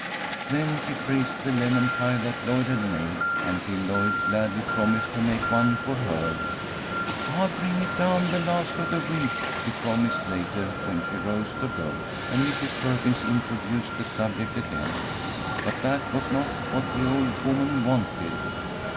Then she praised the lemon pie that Lloyd had made, until Lloyd gladly promised to make one for her. "I'll bring it down the last of the week," she promised, later, when she rose to go, and Mrs. Perkins introduced the subject again. But that was not what the old woman wanted.